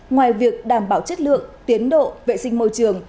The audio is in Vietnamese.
ngoài việc đảm bảo chất lượng tiến độ vệ sinh môi trường